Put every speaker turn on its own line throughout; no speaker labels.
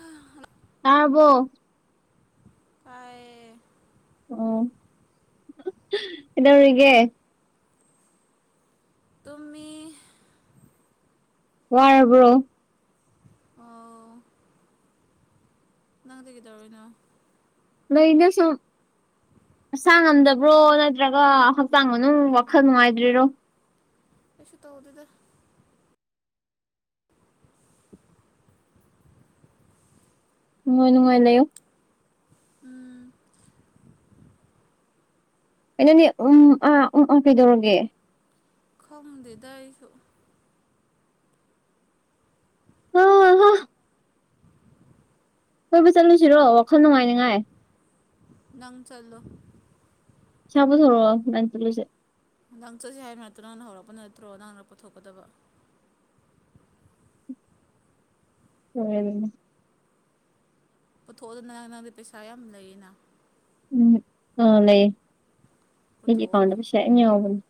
ꯑ
ꯑꯕꯣ
ꯀꯌꯦ
ꯑꯣ ꯏꯗꯒ
ꯇꯃꯤ
ꯋꯥꯔꯕ꯭ꯔꯣ
ꯑꯣ ꯅꯪꯗꯤ ꯀꯗꯕꯅ
ꯑ ꯏꯩꯅ ꯁ ꯑꯁꯥ ꯉꯝꯗꯕ꯭ꯔꯣ ꯅꯠꯇ꯭ꯔꯒ ꯍꯛꯆꯥꯡ ꯃꯅꯨꯡ ꯋꯥꯈꯜ ꯅꯨꯡꯉꯥꯏꯇ꯭ꯔꯤꯔꯣ
ꯄꯁ ꯇꯧꯗꯗ
ꯃꯅꯨꯡꯉꯥꯏꯅꯅꯨꯡꯉꯥꯏ ꯂꯩꯌꯨ
ꯎꯝ
ꯀꯩꯅꯣꯅꯦ ꯎꯝ ꯑꯥ ꯎꯝ ꯑꯥ ꯀꯩꯗꯧꯔꯒꯦ
ꯈꯪꯗꯗꯁꯨ
ꯍ ꯍ ꯍꯣꯏꯕ ꯆꯠꯂꯨꯁꯤꯔꯣ ꯋꯥꯈꯜ ꯅꯨꯡꯉꯥꯏꯅꯤꯉꯥꯏ
ꯅꯪ ꯆꯜꯂꯣ
ꯆꯕ ꯊꯔꯣ ꯇꯂꯁꯦ
ꯅ ꯅꯪ ꯆꯠꯁꯤꯦ ꯍꯥꯏꯕ ꯅꯠꯇꯣ ꯅꯪꯅ ꯍꯧꯔꯛꯄ ꯅꯠꯇ꯭ꯔꯣ ꯅꯪ ꯅꯔꯛ ꯄꯨꯊ ꯊꯣꯛꯀꯗꯕ
ꯎꯝ
ꯄꯨꯊꯣꯛꯑꯗꯅ ꯅꯪ ꯅꯪꯗꯤ ꯄꯩꯁꯥ ꯌꯥꯝ ꯂꯩꯔꯤꯅ
ꯑ ꯂꯩ ꯌꯦ ꯀꯦ ꯀꯥꯎ ꯄꯦ ꯏꯕꯅꯤ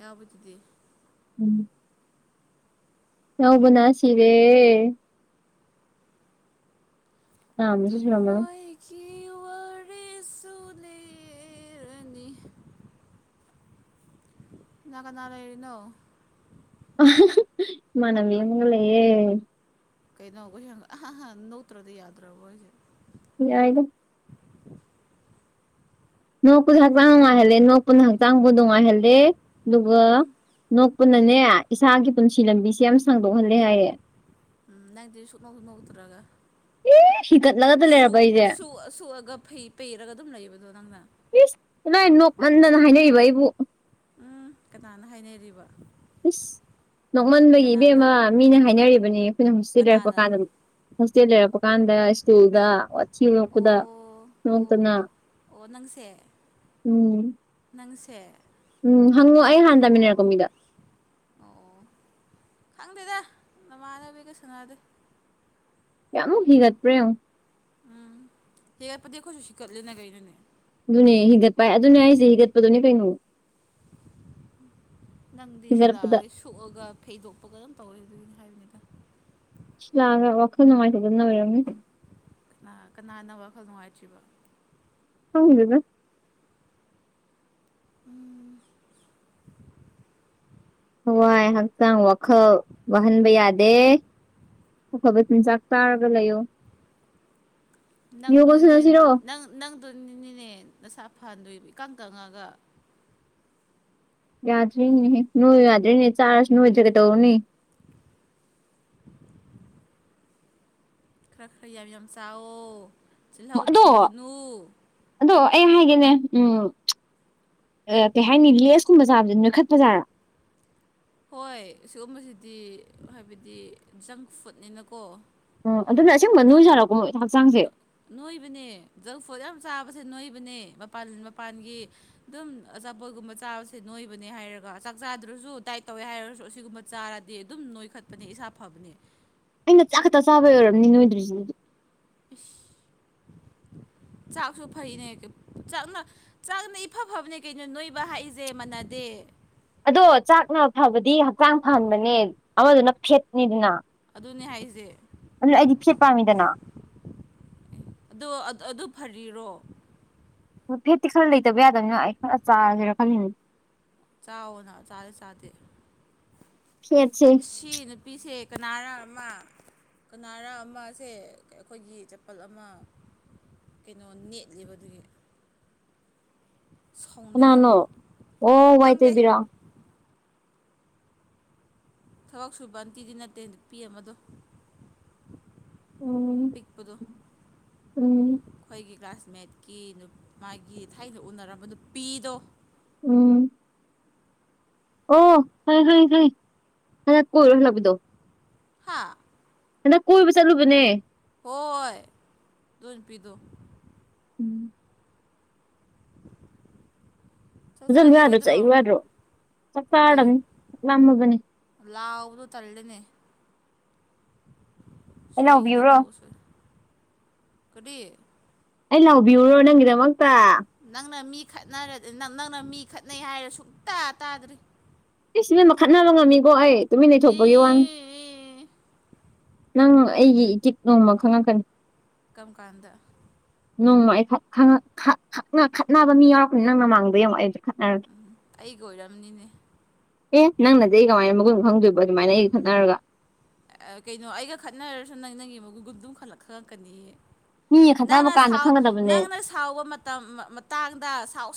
ꯌꯥꯕꯗꯗꯤ
ꯎꯝ ꯅꯕꯨꯅꯥꯁꯤꯔꯦ ꯑ ꯃꯁꯨ ꯃ
ꯀ꯭ꯌ ꯋꯥꯔꯦꯁꯨ ꯂꯩꯔꯅꯤ ꯅꯒꯅꯥꯔ ꯍꯥꯏꯅꯣ
ꯃꯅ ꯂꯂꯉꯨꯒꯦ
ꯀꯩꯅꯣꯈ ꯅꯣꯛꯇ꯭ꯔꯗꯤ ꯌꯥꯗ꯭ꯔꯕ ꯑꯣꯏꯁꯦ
ꯌꯥꯥꯏꯗ ꯅꯣꯛꯄꯨꯁꯨ ꯍꯛꯆꯥꯡ ꯅꯨꯡꯉꯥꯏꯍꯜꯂꯦ ꯅꯣꯛꯄꯨꯅ ꯍꯛꯆꯥꯡꯕꯨ ꯅꯨꯡꯉꯥꯏꯍꯜꯂꯦ
ꯎꯝ
ꯑꯗꯨꯒꯣꯛ ꯄꯨꯟꯅꯅꯦ ꯏꯁꯥꯒꯤ ꯄꯨꯟꯁꯤ ꯂꯝꯕꯤꯁꯦ ꯌꯥꯝ ꯁꯥꯡꯗꯣꯛꯍꯜꯂꯦ ꯍꯥꯏꯌꯦ
ꯎꯝ ꯅꯪꯗꯤ ꯁꯨꯞꯅꯨꯝꯃꯧꯗ꯭ꯔꯒ
ꯑꯦ ꯍꯤꯀꯠꯂꯒꯇ
ꯁ
ꯂꯩꯔꯕ ꯑꯩꯁꯦ
ꯁꯑ ꯁꯑꯒ ꯄꯩꯔꯒ ꯑꯗꯨꯝ ꯂꯩꯕꯗꯣ ꯅꯪꯅ
ꯄ ꯂꯥꯏ ꯅꯣꯛꯃꯟꯗꯅ ꯍꯥꯏꯅꯔꯤꯕ ꯑꯩꯕꯨ
ꯎꯝ ꯀꯅꯥꯅ ꯍꯥꯏꯅꯔꯤꯕ
ꯏꯁ ꯅꯣꯛꯃꯟꯕꯒꯤ ꯏꯕꯦꯝ
ꯀꯅꯥꯅ
ꯑꯃ ꯃꯤꯅ ꯍꯥꯏꯅꯔꯤꯕꯅꯤ ꯑꯩꯈꯣꯏꯅ ꯍꯣꯁꯇꯦꯜ ꯂꯩꯔꯛꯄ
ꯀꯅꯥꯅ
ꯀꯥꯟꯗ ꯍꯣꯁꯇꯦꯜ ꯂꯩꯔꯛꯄ ꯀꯥꯟꯗ ꯁ꯭ꯀꯨꯜꯗꯊꯤ ꯂꯣꯛꯄꯗ
ꯑꯣ
ꯍꯣꯡꯇꯅꯥ
ꯑꯣ ꯑꯣ ꯅꯪꯁꯦ ꯅꯪꯁꯦ
ꯎꯝ ꯍꯪꯉꯣꯑꯣ ꯑꯩ ꯍꯥꯟꯅ ꯇꯥꯃꯤꯟꯅꯔꯛꯀꯣ
ꯑꯣ
ꯃꯤꯗ
ꯅꯃꯥꯅꯕꯤꯒ ꯁꯅꯥꯗ
ꯀꯌꯥꯃꯨꯛ ꯍꯤꯒꯠꯄ꯭ꯔꯡꯨ
ꯀꯠꯂꯅꯒꯅꯅꯦ
ꯊꯅꯨ
ꯅꯪꯗꯤ ꯁꯤ ꯂꯥꯛꯑꯗꯤ ꯁꯣꯛꯑꯒ ꯐꯩꯗꯣꯛꯄ ꯀ ꯑꯗꯨꯝ ꯇꯧꯋꯦ ꯑꯗꯨꯏꯅꯦ
ꯁ꯭ꯂꯒ ꯋꯥꯈꯅꯅꯨꯡꯉꯥꯏꯇꯅꯔꯣ
ꯀꯅꯥꯅꯕꯈꯛ ꯅꯨꯡꯉꯥꯏꯇ꯭ꯔꯤꯕ
ꯍꯗꯕ
ꯎꯝ
ꯍꯋꯥꯏ ꯍꯛꯆꯥꯡ ꯋꯥꯈꯜ ꯋꯥꯍꯟꯕ ꯌꯥꯗꯦ ꯑꯐꯕ ꯆꯤꯟꯖꯥꯛ ꯇꯥꯔꯒ ꯂꯩꯌꯣ ꯌꯣꯒ
ꯅꯪꯗꯣꯅꯦ
ꯁꯥꯟꯅꯁꯤꯔꯣ
ꯅꯪ ꯅꯪ ꯑꯗꯨꯅꯤꯅꯦ ꯅꯁꯥ ꯐꯍꯟꯗꯣꯏꯕ ꯏꯀꯪ ꯀꯪꯉꯒ
ꯌꯥꯗ꯭ꯔꯤꯅꯦ ꯅꯣꯏ ꯌꯥꯗ꯭ꯔꯤꯅꯦ ꯆꯥꯔꯁꯨ ꯅꯅꯨꯡ ꯑꯣꯏꯖꯒꯩ ꯇꯧꯅꯤ
ꯈꯔ ꯈꯔ ꯌꯥꯝ ꯌꯥꯝ ꯆꯥꯎꯑꯣ ꯆꯤꯜꯍꯥꯎ
ꯑꯗꯣ
ꯊꯤꯒꯅꯨ
ꯑꯗꯣ ꯑꯩ ꯍꯥꯏꯒꯦꯅꯦ ꯎꯝ ꯀꯩ ꯍꯥꯏꯅꯤ ꯂꯦꯁ ꯀꯨꯝꯕ ꯆꯥꯕꯗ ꯅꯣꯏꯈꯠꯄꯖꯥꯠꯔꯥ
ꯍꯣꯏ ꯁꯤꯒꯨꯝꯕꯁꯤꯗꯤ ꯍꯥꯏꯕꯗꯤ ꯖꯪ ꯐꯨꯗꯅꯤꯅꯀꯣ
ꯑꯣ ꯑꯗꯨꯅ ꯑꯁꯦꯡꯨꯝꯕ
ꯑꯗꯨꯝ
ꯅꯣꯏ ꯁꯥꯔꯛꯄꯣ ꯃꯣꯏ ꯍꯛꯆꯥꯡꯁꯦ
ꯅꯣꯏꯕꯅꯦ ꯖꯪ ꯐꯨꯗ ꯌꯥꯝ ꯆꯥꯕꯁꯦ ꯅꯣꯏꯕꯅꯦ ꯃꯄꯥꯟ ꯃꯄꯥꯟꯒꯤ ꯑꯗꯨꯝ ꯑꯆꯥꯄꯣꯠꯒꯨꯝꯕ ꯆꯥꯕꯁꯦ ꯅꯣꯏꯕꯅꯦ ꯍꯥꯏꯔꯒ ꯑꯗꯨꯒ ꯆꯥꯛ ꯆꯥꯗꯨꯔꯁꯨ ꯗꯥꯏꯠ ꯇꯧꯋꯦ ꯍꯥꯏꯔꯁꯨ ꯑꯁꯤꯒꯨꯝꯕ ꯆꯥꯔꯗꯤ ꯑꯗꯨꯝ ꯅꯣꯏꯈꯠꯄꯅꯦ ꯏꯁꯥ ꯐꯕꯅꯦ
ꯑꯩꯅ ꯆꯥꯛ ꯈꯛꯇ ꯆꯥꯕ ꯌ ꯑꯣꯏꯔꯕꯅꯤ ꯅꯣꯏꯗ꯭ꯔꯤꯁꯤꯅꯗꯤ
ꯏꯁꯁ ꯆꯥꯛꯁꯨ ꯐꯩꯅꯦ ꯆꯥꯛꯅ ꯏꯐ ꯐꯕꯅꯦ ꯀꯩꯅꯣ ꯅꯣꯏꯕ ꯍꯥꯏꯏꯁꯦ ꯃꯥꯟꯅꯗꯦ ꯇꯦ
ꯑꯗꯣ ꯆꯥꯛꯅ ꯐꯕꯗꯤ ꯍꯛꯆꯥꯡ ꯐꯍꯟꯕꯅꯦ ꯑꯃꯗꯨꯅ ꯐꯦꯠꯅꯤꯗꯅ
ꯑꯗꯨꯅꯦ
ꯑꯗꯨꯅ ꯑꯩꯗꯤ ꯐꯦꯠ ꯄꯥꯝꯃꯤꯗꯅ
ꯑꯗꯨ ꯑꯗꯨ ꯐꯔꯤꯔꯣ
ꯐꯦꯠꯇꯤ ꯈꯔ ꯂꯩꯇꯕ ꯌꯥꯗꯕꯅꯤꯅ ꯑꯩ ꯈꯔ ꯆꯥꯁꯤꯦꯔ ꯈꯜꯂꯤꯅꯦ
ꯆꯥꯑꯣꯣꯅꯥ ꯆꯥꯗꯦ ꯆꯥꯗꯦ
ꯐꯦꯠꯁꯦ
ꯁꯤ ꯅꯨꯄꯤꯁꯦ ꯀꯅꯥꯔ ꯑꯃ ꯀꯅꯥꯔ ꯑꯃꯁꯁꯦ ꯑꯩꯈꯣꯏꯒꯤ ꯆꯄꯜ ꯑꯃ ꯀꯩꯅꯣ ꯅꯦꯠꯂꯤꯕ ꯑꯗꯨꯒꯤ ꯁꯥꯎꯅꯤꯡꯉꯤ
ꯅꯅꯣ
ꯌꯥꯝꯅ
ꯑꯣ ꯋꯥꯏ ꯇ
ꯈꯪꯗꯦ
ꯏꯕꯤꯔꯥ
ꯊꯕꯛ ꯁꯨꯕ ꯑꯟꯇꯤꯗꯤ ꯅꯠꯇꯦ ꯄꯤ ꯃꯗꯣ
ꯎꯝ
ꯄꯤꯛꯄꯗꯣ
ꯎꯝ
ꯑꯩꯈꯣꯏꯒꯤ ꯀ꯭ꯂꯥꯁ ꯃꯦꯠꯀꯤ ꯃꯥꯒꯤ ꯊꯥꯏꯅ ꯎꯅꯔꯝꯕ ꯅꯨꯄꯤꯗꯣ
ꯎꯝ ꯑꯣ ꯍ ꯍ ꯍ ꯍ ꯀꯣꯏꯔꯕꯗꯣ
ꯍꯥꯥ
ꯍꯗꯛ ꯀꯣꯏꯕ ꯆꯠꯂꯨꯕꯅꯦ
ꯍꯣꯏ ꯑꯗꯨꯅ ꯄꯤꯗꯣ
ꯎꯝ
ꯆꯥꯛ
ꯖ ꯔ ꯆ
ꯆꯥꯈꯤꯔꯣꯏꯗ꯭ꯔꯣ
ꯋꯥꯔ ꯆ ꯆꯥꯅꯤ ꯂꯃꯣ ꯑꯃꯅꯤ
ꯂꯥꯎꯕꯗꯨ ꯇꯜꯂꯅꯦ
ꯑꯩ
ꯁꯣꯏꯈꯤꯅ
ꯂꯥꯎꯕꯤꯌꯨꯔꯣ
ꯇꯧꯁꯣꯏ ꯀꯔꯤ
ꯑꯩ ꯂꯥꯎꯕꯤꯌꯨꯔꯣ ꯅꯪꯒꯤꯗꯃꯛꯇ
ꯅꯪꯅ ꯃꯤ ꯈꯠꯅꯔ ꯅꯪꯅ ꯃꯤ ꯈꯠꯅꯩ ꯍꯥꯏꯔ ꯁꯨꯡꯇꯥ ꯇꯥꯗ꯭ꯔꯤ
ꯑꯦ ꯁꯤꯃ ꯃꯈꯠꯅꯕ ꯉꯝꯃꯤꯀꯣ ꯑꯩ ꯇꯨꯃꯤ ꯂꯩꯊꯣꯛꯄꯒꯤ ꯋꯥꯅꯤ
ꯑꯦ
ꯅꯪ ꯑꯩꯒꯤ ꯏꯇꯤꯛ ꯅꯣꯡꯃ ꯈꯪꯉꯛꯀꯅꯤ
ꯀꯝ ꯀꯥꯟꯗ
ꯅꯣꯡꯃ ꯑꯩ ꯈꯠꯅꯕ ꯃꯤ ꯌꯥꯎꯔꯛꯄꯅꯤ ꯅꯪ ꯃꯃꯥꯡꯗ ꯌꯦꯧꯉꯃꯛꯛ ꯑꯩ ꯑꯗꯨꯗꯣ
ꯎꯝ ꯑꯩꯒ ꯑꯣꯏꯔꯝꯅꯤꯅꯦ
ꯑꯦ ꯅꯪꯅꯗꯤ ꯑꯩ ꯀꯃꯥꯏꯅ ꯃꯈꯨꯟ ꯈꯪꯗꯣꯏꯕ ꯑꯗꯨꯃꯥꯏꯅ ꯑꯩꯒ ꯈꯠꯅꯔꯒ
ꯀꯩꯅꯣ ꯑꯩꯒ ꯈꯠꯅꯔꯁꯨ ꯅꯪꯅꯉ ꯃꯒꯨꯝ ꯨꯗꯨꯨꯝ ꯈꯜꯂꯛ ꯈꯒꯪ ꯀꯅꯤ
ꯃꯤꯒ ꯈꯠꯅꯕ
ꯅꯪꯅ
ꯀꯥꯟꯗ
ꯁꯥꯎ
ꯈꯪꯒꯗꯕꯅꯦ
ꯅꯪꯅ ꯁꯥꯎꯕ ꯃꯇꯝ ꯃꯇꯥꯡꯗ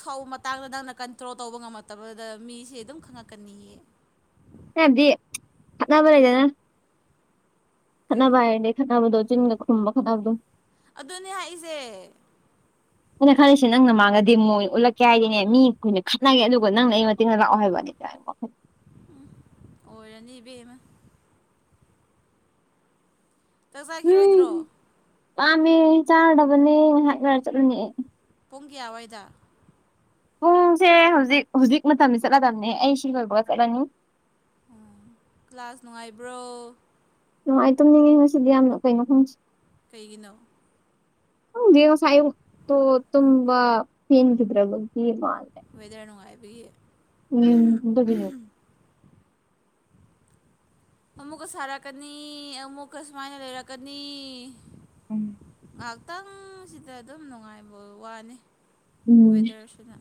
ꯁꯥꯎꯕ ꯃꯇꯥꯡꯗ ꯅꯪꯅ ꯀꯟꯇ꯭ꯔꯣꯜ ꯇꯧꯕ ꯉꯝꯃꯛꯇꯕꯗ ꯃꯤꯁꯦ ꯑꯗꯨꯝ ꯈꯪꯉꯛꯀꯅꯤꯌꯦ
ꯗꯤꯠꯅꯥꯕꯔꯗꯅ
ꯀꯩ
ꯈꯠꯅꯕ ꯍꯥꯏꯔꯗꯤ ꯈꯠꯅꯕꯗꯣ ꯆꯤꯟꯒ ꯈꯨꯝꯕ ꯈꯅꯥꯅꯕꯗꯣ
ꯑꯗꯨꯅꯦ ꯍꯥꯏꯏꯁꯦ
ꯑꯩꯅ ꯈꯜꯂꯤꯁꯤꯦ ꯅꯪꯅ ꯃꯥꯡꯅꯗꯤ ꯃꯣꯏ ꯎꯠꯂꯛꯀꯦ ꯍꯥꯏꯗꯤꯅꯦ ꯃꯤ ꯑꯩꯈꯣꯏꯅ ꯈꯠꯅꯒꯦ ꯑꯗꯨꯒ ꯅꯪꯅ ꯑꯩ ꯃꯇꯦꯡꯗ ꯂꯥꯛꯑꯣ ꯍꯥꯏꯕ ꯅꯤ ꯇ
ꯎꯝ ꯑꯣꯏꯔꯅꯤ ꯏꯕꯦꯝꯃ ꯆꯥꯛ ꯆꯈꯤꯔꯣꯏꯗ꯭ꯔꯣ
ꯄꯥꯝꯃꯤ ꯆꯥꯔꯕꯅꯤ ꯉꯥꯏꯍꯥꯛ ꯉꯔ ꯆꯠꯂꯅꯤ
ꯄꯨꯡꯒꯤ ꯑꯋꯥꯏꯗ
ꯄꯨꯡꯁꯦ ꯍꯧꯖꯤꯛ ꯍꯧꯖꯤꯛ ꯃꯇꯝꯁ ꯆꯠꯂꯗꯝꯕꯅꯦ ꯑꯩꯁꯨ ꯂꯣꯏꯕ꯭ꯔꯒ ꯆꯠꯂꯅꯤ
ꯑꯣ ꯀ꯭ꯂꯥꯁ ꯅꯨꯡꯉꯥꯏꯕ꯭ꯔꯣ
ꯅꯨꯡꯉꯥꯏ ꯇꯨꯝꯅꯤꯡꯉꯤ ꯉꯁꯤꯗꯤ ꯌꯥꯝꯅ ꯀꯩꯅꯣ ꯈꯪꯁꯤꯦ
ꯀꯩꯒꯤꯅꯣ
ꯦꯁꯥꯏꯣ ꯇꯨꯝꯕꯥ ꯄꯦꯟꯒꯤꯗ꯭ꯔꯕꯒꯤ ꯃꯥꯜꯂꯦ
[inaudible]
ꯎꯝ ꯑꯗꯨꯒꯤꯅꯦ
ꯑꯃꯨꯛꯀ ꯁꯥꯔꯛꯀꯅꯤ ꯑꯃꯨꯛꯀ ꯁꯨꯃꯥꯏꯅ ꯂꯩꯔꯛꯀꯅꯤ
ꯎꯝ
ꯉꯥꯏꯍꯥꯛꯇꯪꯁꯤꯗ ꯑꯗꯨꯝ ꯅꯨꯡꯉꯥꯏꯕ ꯋꯥꯅꯤ
ꯎꯝ
ꯋꯦꯗꯔꯁꯤꯅ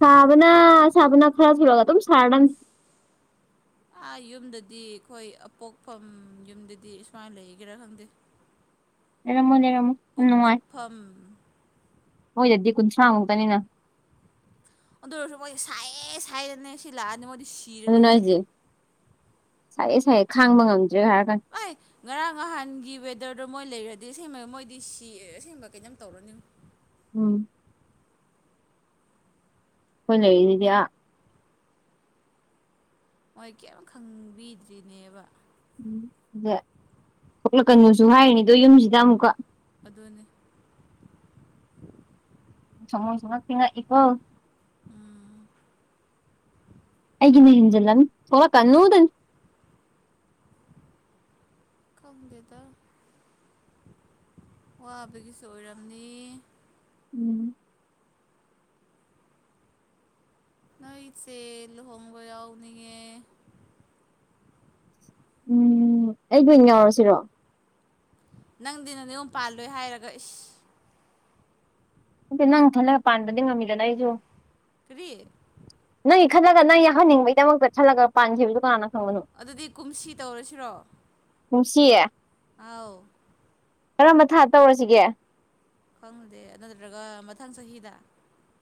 ꯁꯥꯕꯅ ꯁꯥꯕꯅ ꯈꯔꯁꯨ ꯑꯗꯨꯨꯝ ꯁꯥꯔꯗꯝ
ꯑꯥ ꯌꯨꯝꯗꯗꯤ ꯑꯩꯈꯣꯏ ꯑꯄꯣꯛꯐꯝ ꯌꯨꯝꯗꯗꯤ ꯁꯨꯃꯥꯏꯅ ꯂꯩꯒꯦꯔꯥ ꯈꯪꯗꯦ [inaudible]
ꯂꯩꯔꯝꯃꯣꯏ ꯂꯩꯔꯝ
ꯄꯣꯛꯅꯐꯝ
ꯍꯣꯏꯗꯗꯤ ꯀꯨꯟꯊ꯭ꯔꯥ ꯃꯨꯛꯇꯅꯤꯅ
ꯑꯗꯨ ꯑꯣꯏꯔꯁꯨ ꯃꯣꯏꯗꯤ ꯁꯥꯏꯌꯦ ꯁꯥꯏꯌꯦꯗꯅꯦ ꯁꯤ ꯂꯥꯛꯑꯗꯤ ꯃꯣꯏꯗꯤ
ꯑꯗꯨꯅ
ꯁꯤꯔꯅꯤꯉꯣ
ꯑꯩꯁꯦ ꯁꯥꯏꯌꯦ ꯁꯥꯏꯌꯦ ꯈꯥꯡꯕ ꯉꯝꯗꯦ
ꯑꯩ ꯉꯔꯥꯡ ꯅꯍꯥꯟꯒꯤ ꯋꯦꯗꯔꯗꯣ ꯃꯣꯏ ꯂꯩꯔꯗꯤ ꯑꯗꯩ ꯑꯁꯦꯡꯕ ꯃꯣꯏꯗꯤ ꯁꯤ ꯑꯁꯦꯡꯕ ꯀꯩꯅꯣꯝ ꯇꯧꯔꯅꯤ
ꯎꯝ ꯈꯣꯏꯅ ꯂꯩꯔꯤꯗꯤ ꯑꯥ
ꯃꯣꯏ ꯀꯔꯤꯝ ꯈꯪꯕꯤꯗ꯭ꯔꯤꯅꯦꯕ
ꯊꯣꯛꯂꯛꯀꯅꯨꯁꯨ ꯍꯥꯏꯔꯤꯅꯤ ꯑꯗꯨ ꯌꯨꯝꯁꯤꯗ ꯑꯃꯨꯛꯀ
ꯑꯗꯨꯅꯤ
ꯃꯣꯏꯁꯨ ꯉꯛꯇꯤ ꯉꯛꯏꯀꯣ
ꯎꯝ
ꯑꯩꯒꯤꯅꯤ ꯌꯦꯡꯖꯤꯜꯂꯅꯤ ꯊꯣꯂꯛꯀꯅꯨꯗꯅꯤ
ꯈꯪꯗꯦꯗ ꯋꯥꯕꯒꯤꯁꯨ ꯑꯣꯏꯔꯝꯅꯤ
ꯎꯝ
ꯅꯣꯏꯆꯦ ꯂꯨꯍꯣꯡꯕ ꯌꯥꯎꯅꯤꯡꯉꯦ
ꯎꯝ ꯑꯩꯒꯤ ꯑꯣꯏꯅ ꯌꯥꯎꯔꯁꯤꯔꯣ
ꯅꯪꯗꯤ ꯅ ꯅꯌꯨꯝ ꯄꯥꯜꯂꯣꯏ ꯍꯥꯏꯔꯒ ꯏꯁ
ꯑꯗꯨ ꯅꯪ ꯈꯟꯂꯒ ꯄꯥꯟꯕꯗꯤ ꯉꯝꯃꯤꯗꯅ ꯑꯩꯁꯨ
ꯀꯔꯤ
ꯅꯩ ꯈꯜꯂꯒ ꯅꯪ ꯌꯥꯍꯟꯅꯤꯡꯕꯩꯗꯃꯛꯇ ꯈꯜꯂꯒ ꯄꯥꯟꯈꯤꯕꯁꯨ ꯀꯅꯥꯅ ꯈꯪꯕꯅꯣ
ꯑꯗꯨꯗꯤ ꯀꯨꯝꯁꯤ ꯇꯧꯔꯁꯤꯔꯣ
ꯀꯨꯝꯁꯤ
ꯑꯧ
ꯀꯔꯝꯕ ꯊꯥ ꯇꯧꯔꯁꯤꯒꯦ
ꯈꯪꯗꯦ ꯅꯠꯇ꯭ꯔꯒ ꯃꯊꯪ ꯆꯍꯤꯗ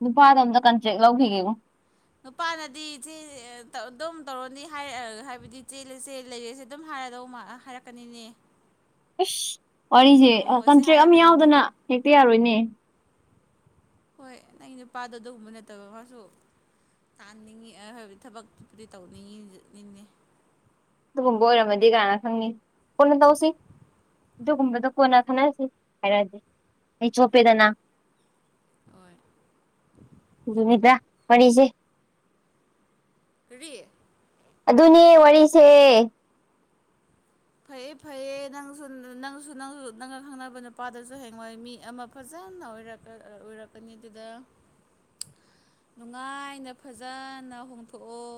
ꯅꯨꯄꯥꯗꯣ ꯑꯝꯇ ꯀꯟꯇ꯭ꯔꯦꯛ ꯂꯧꯈꯤꯒꯦꯕꯣ
ꯅꯨꯄꯥꯅꯗꯤ ꯆꯦ ꯑꯗꯨꯝ ꯇꯧꯔꯅꯤ ꯍꯥꯏꯔ ꯍꯥꯏꯕꯗꯤ ꯆꯦꯜꯂ ꯁꯦ ꯂꯩꯔꯁꯦ ꯑꯗꯨꯝ ꯍꯥꯏ ꯍꯥꯏꯔꯗꯧ ꯃꯥ ꯍꯥꯏꯔꯛꯀꯅꯤꯅꯦ
ꯑꯁ ꯋꯥꯔꯤꯁꯦ
ꯂꯨꯍꯣꯡꯉꯁꯦ
ꯀꯟꯇ꯭ꯔꯦꯛ ꯑꯃ
ꯍꯥꯏꯔꯛꯀꯅꯤꯅꯦ
ꯌꯥꯎꯗꯅ ꯍꯦꯛꯇ ꯌꯥꯔꯣꯏꯅꯦ
ꯍꯣꯏ ꯅꯪꯒꯤ ꯅꯨꯄꯥꯗꯣ ꯑꯗꯨꯒꯨꯝꯕ ꯅꯠꯇꯕ ꯃꯥꯁꯨ ꯇꯥꯅꯤꯡꯉꯤꯕꯗꯤ ꯊꯕꯛꯇꯨꯕꯨꯗꯤ ꯇꯧꯅꯤꯡꯉꯤꯅꯤꯅꯦ
ꯑꯗꯨꯒꯨꯝꯕ ꯑꯣꯏꯔꯝꯃꯗꯤ ꯀꯅꯥꯅ ꯈꯪꯅꯤ ꯀꯣꯟꯅ ꯇꯧꯁꯤ ꯑꯗꯨꯒꯨꯝꯕꯗ ꯀꯣꯟꯅ ꯈꯟꯅꯁꯤ ꯍꯥꯏꯔꯛꯑꯗꯤ ꯑꯩ ꯆꯣꯞꯄꯦꯗꯅ
ꯍꯣꯏ
ꯑꯗꯨꯅꯤꯗ ꯋꯥꯔꯤꯁꯦ
ꯀꯔꯤ
ꯑꯗꯨꯅꯦ ꯋꯥꯔꯤꯁꯦ
ꯐꯩꯌꯦ ꯐꯩꯌꯦ ꯅꯪꯁꯨ ꯅꯪꯁꯨ ꯅꯪꯁꯨ ꯅꯪꯒ ꯈꯪꯅꯕ ꯅꯨꯄꯥꯗꯁꯨ ꯍꯦꯡꯉꯏ ꯃꯤ ꯑꯃ ꯐꯖꯩ ꯎꯔ ꯎꯔꯀꯅꯤꯗꯨꯗ ꯅꯨꯡꯉꯥꯏꯅ ꯐꯖꯅ ꯍꯣꯡꯊꯣꯛꯑꯣ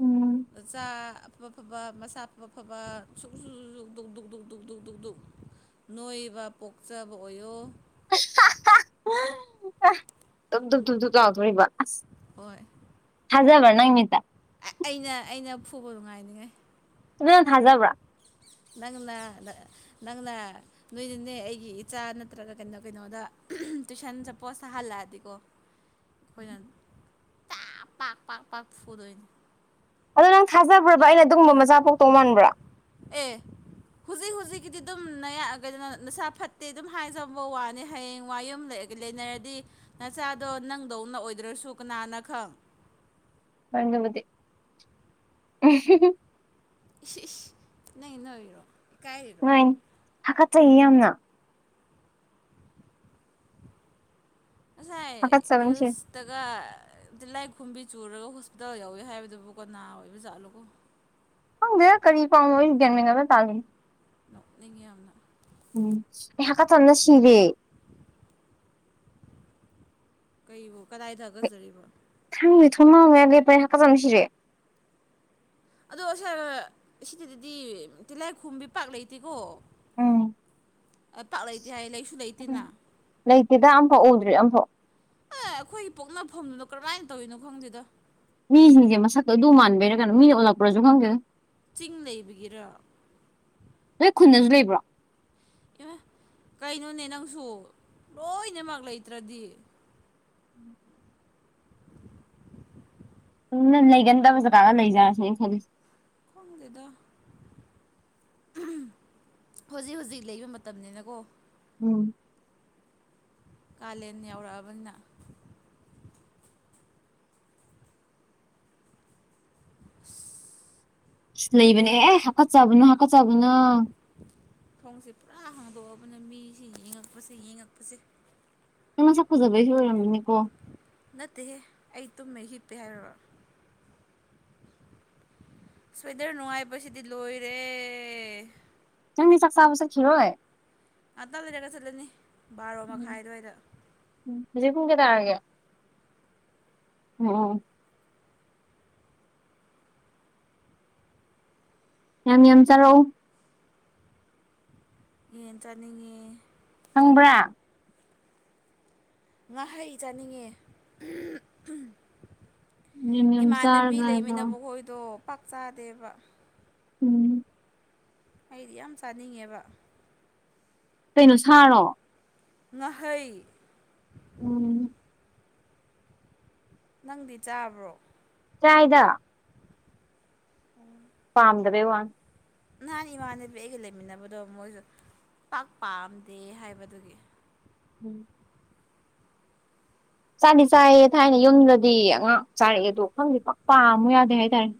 ꯎꯝ
ꯃꯆꯥ ꯑꯐ ꯑꯐꯕ ꯃꯁꯥ ꯑꯐ ꯁꯕ ꯁ ꯁꯧ ꯗꯧ ꯗꯧ ꯅꯣꯏꯕ ꯄꯣꯛꯆꯕ ꯑꯣꯏꯌꯣ
ꯊꯝ ꯊ ꯊ ꯊ ꯇꯥꯎ ꯊ ꯋꯥ
ꯍꯣꯏ
ꯊꯖꯕꯔ ꯅꯪ ꯃꯤꯠ ꯇꯥ
ꯑ ꯑꯩꯅ ꯑꯩꯅ ꯐꯨꯕ ꯅꯨꯡꯉꯥꯏꯅꯤꯉꯥꯏ
ꯅꯪ ꯊꯥꯖꯥꯕꯔꯥ
ꯅꯪꯅ ꯅꯪꯅ ꯅꯣꯏꯗꯨꯅꯦ ꯑꯩꯒꯤ ꯏꯆꯥ ꯅꯠꯇ꯭ꯔꯒ ꯀꯩꯅꯣ ꯀꯩꯅꯣꯗ ꯇꯨꯏꯁꯟ ꯆꯦꯄꯣꯁꯇ ꯍꯜꯂꯛꯑꯗꯤꯀꯣ ꯑꯩꯈꯣꯏꯅ ꯇꯥꯛ ꯄꯥꯛ ꯄꯥꯛ ꯄꯥꯛ ꯐꯗꯣꯏꯅꯤ
ꯑꯗꯣ ꯅꯪ ꯊꯥꯖꯕ꯭ꯔꯕ ꯑꯩꯅ ꯑꯗꯨꯒꯨꯝꯕ ꯃꯆꯥ ꯄꯣꯛꯇꯧ ꯃꯥꯟꯕ꯭ꯔꯥ
ꯑꯩꯒꯤꯗꯤ ꯑꯗꯨꯝ ꯅꯌꯥꯛꯑꯒꯗꯅ ꯅꯁꯥ ꯐꯠꯇꯦ ꯑꯗꯨꯝ ꯍꯥꯏꯖꯕ ꯋꯥꯅꯤ ꯍꯌꯦꯡ ꯋꯥ ꯌꯨꯝ ꯂꯩꯒ ꯂꯩꯅꯔꯗꯤ ꯅꯆꯥꯗꯣ ꯅꯪꯗꯧꯅ ꯑꯣꯏꯗ꯭ꯔꯁꯨ ꯀꯅꯥꯅ ꯈꯪ
ꯃꯃꯗꯤ
ꯅꯪꯒꯤꯗꯣ ꯏꯀꯥꯏꯔꯣ
ꯍꯥꯆꯠꯆꯩꯌꯦ ꯌꯥꯝꯅ
ꯉꯁꯥꯏ
ꯍꯥꯀꯠꯆꯕꯅ ꯁꯤꯔꯦ
ꯅ꯭ꯌꯨꯁꯇꯒꯂꯥꯏꯈꯨꯝꯕꯤ ꯆꯨꯔꯒ ꯍꯣꯁꯄꯤꯇꯥꯜ ꯌꯧꯋꯤ ꯍꯥꯏꯕꯗꯨꯕꯨ ꯀꯅꯥ ꯑꯣꯏꯕ ꯥꯖꯥꯠꯅꯣ ꯈꯪꯗꯦ
ꯈꯡꯗꯦꯗꯥ ꯀꯔꯤ ꯄꯥꯎ ꯅꯣ ꯑꯩꯁꯨ ꯒꯌꯥꯟ ꯃꯦꯟ ꯑꯃ ꯇꯥꯗꯦ
ꯅꯣꯛꯅꯤꯡꯉꯦ ꯌꯥꯝꯅ
ꯎꯝ ꯑꯩ ꯍꯥꯆꯠꯆꯕꯅꯥ ꯁꯤꯔꯦ
ꯀꯩꯕꯨ ꯀꯗꯥꯏ ꯊꯥꯒꯠꯆꯔꯤꯕꯣ
ꯊꯣꯡꯅꯥꯎ ꯃꯌꯥ ꯗ ꯂꯦꯞꯄꯒꯤ ꯍꯥꯆꯥꯠ ꯆꯥꯕꯅꯥ ꯁꯤꯔꯦ꯫
ꯑꯗꯣ ꯁꯥꯔ ꯁꯤꯗꯗꯗꯤ ꯇꯤꯂꯥꯏꯈꯣꯕꯤ ꯄꯥꯛ ꯂꯩꯇꯦꯀꯣ
ꯎꯝ
ꯑ ꯇꯥꯛ ꯂꯩꯇꯦ ꯍꯥꯏ ꯂꯩꯁꯨ ꯂꯩꯇꯦꯅ
ꯂꯩꯇꯦ ꯑꯃ ꫪꯐꯥꯎ
ꯑꯦ ꯑꯩꯈꯣꯏꯒꯤ ꯄꯣꯛꯅꯐꯝꯗꯨꯅꯣ ꯀꯔꯝꯃꯥꯏꯅ ꯇꯧꯔꯤꯅꯣ ꯈꯪꯗꯦꯗ
ꯃꯤꯁꯤꯡꯁꯦ ꯃꯁꯛꯇꯣ ꯑꯗꯨ ꯃꯥꯟꯕꯩꯔꯥ ꯀꯩꯅꯣ ꯃꯤꯅ ꯑꯣꯜꯂꯛꯄ꯭ꯔꯁꯨ ꯈꯪꯗꯦ
ꯆꯤꯡ ꯂꯩꯕꯒꯤꯔ
ꯅꯣꯏ ꯈꯨꯟꯗꯁꯨ ꯂꯩꯕ꯭ꯔꯣ
ꯏ ꯀꯩꯅꯣꯅꯦ ꯅꯪꯁꯨ ꯂꯣꯏꯅꯃꯛ ꯂꯩꯇ꯭ꯔꯗꯤ
ꯅ ꯅꯪ ꯂꯩꯒꯟꯗꯕ ꯖꯒꯥ ꯒꯥ ꯂꯩꯖꯠꯂꯥ ꯁꯤꯅꯦ ꯑꯩꯅꯥ ꯈꯜꯂꯤꯁꯦ
ꯈꯪꯗꯦꯗ ꯍꯧꯖꯤꯛ ꯍꯧꯖꯤꯛ ꯂꯩꯕ ꯃꯇꯝꯅꯤꯅꯀꯣ
ꯎꯝ
ꯀꯥꯂꯦꯟ ꯌꯧꯔꯛꯑꯕꯅꯤꯅ
ꯑ ꯂꯩꯕꯅꯦ
ꯊꯣꯡ
ꯑꯦ ꯍꯥꯀꯠ ꯆꯥꯕꯅ ꯍꯥꯀꯠ ꯆꯕꯅ
ꯕꯣꯕꯅ ꯃꯤ ꯁꯤ ꯌꯦ ꯉꯉꯛꯄꯁꯦ ꯌꯦ ꯉꯛꯄꯁꯦ
ꯅꯪ ꯅꯥꯁꯛ ꯐꯖꯕꯩꯁꯨ ꯑꯣꯏꯔꯝꯅꯤꯅꯥꯀꯣ
ꯅꯠꯇꯦꯍꯦ ꯑꯩ ꯇꯨꯝꯃꯦ ꯍꯤꯞꯄꯦ ꯍꯥꯏꯔꯔ ꯁ꯭ꯋꯦꯗꯔ ꯅꯨꯡꯉꯥꯏꯕꯁꯤꯗꯤ ꯂꯣꯏꯔꯦ
ꯅꯪ ꯆꯥꯛ ꯆꯥꯕꯥ ꯆꯠꯈꯤꯔꯣꯏ
ꯉꯛꯇꯪ ꯂꯩꯔꯒꯥ ꯆꯠꯂꯅꯤ ꯕꯥꯔꯣ
ꯎꯝ
ꯃꯈꯥꯏ ꯑꯗꯨꯋꯥꯏꯗ
ꯎꯝ ꯍꯧꯖꯤꯛ ꯄꯨꯡ ꯀꯌꯥ ꯇꯥꯔꯒꯦ ꯎꯝ ꯌꯥꯝ ꯌꯥꯝ ꯆꯥꯔꯛꯎ
ꯌꯦꯟ ꯆꯥꯅꯤꯡꯉꯦ
ꯈꯪꯕꯔ꯭
ꯉꯥꯏꯍꯥꯛꯩ ꯆꯥꯅꯤꯡꯉꯦ
ꯌꯥꯝ ꯌꯥꯝ
ꯏꯃꯥꯟꯅꯕꯤ
ꯆꯥꯔꯒ
ꯂꯩꯃꯤꯅ
ꯂꯥꯛꯑꯣ
ꯃꯈꯣꯏꯗꯣ ꯄꯥꯛ ꯆꯥꯗꯦꯕ
ꯎꯝ
ꯑꯩꯗꯤ ꯌꯥꯝ ꯆꯥꯅꯤꯡꯉꯦꯕ
ꯀꯩꯅꯣ ꯁꯥꯔꯣ
ꯉꯍꯩ
ꯎꯝ
ꯅꯪꯗꯤ ꯆꯥꯕ꯭ꯔꯣ
ꯀꯥꯗ
ꯎꯝ
ꯄꯥꯝꯗꯕꯩ ꯋꯥꯅꯤ꯫
ꯅꯍꯥꯟ ꯏꯃꯥꯟꯅꯕꯤ ꯑꯩꯒ ꯂꯩꯃꯤꯟꯅꯕꯗꯣ ꯃꯣꯏꯁꯨ ꯄꯥꯛ ꯄꯥꯝꯗꯦ ꯍꯥꯏꯕꯗꯨꯒꯤ꯫
ꯎꯝ꯫ ꯆꯥꯗꯤ ꯆꯥꯏꯌꯦ ꯊꯥꯏꯅ ꯌꯨꯝꯗꯗꯤ ꯑꯉꯥꯛ ꯆꯥꯔꯛꯑꯦ ꯑꯗꯣ ꯈꯪꯗꯤꯦ ꯄꯥꯛ ꯄꯥꯝꯨ ꯌꯥꯗꯦ ꯍꯥꯏꯇꯥꯔꯦ꯫